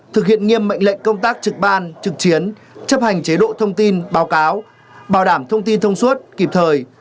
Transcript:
thực hiện nghiêm mệnh lệnh công tác trực ban trực chiến chấp hành chế độ thông tin báo cáo bảo đảm thông tin thông suốt kịp thời